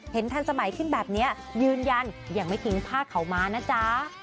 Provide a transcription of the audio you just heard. ทันสมัยขึ้นแบบนี้ยืนยันยังไม่ทิ้งผ้าขาวม้านะจ๊ะ